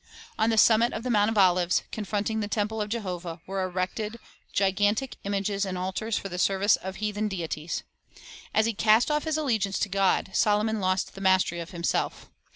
On the summit of the Mount of Olives, confronting the temple of Jehovah, were erected gigan tic images and altars for the service of heathen deities. As he cast off his allegiance to God, Solomon lost the mastery of himself.